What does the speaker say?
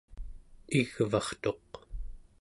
igvartuq